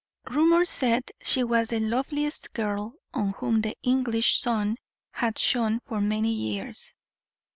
Rumor said she was the loveliest girl on whom the English sun had shone for many years.